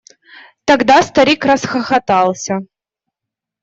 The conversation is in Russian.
Тогда старик расхохотался.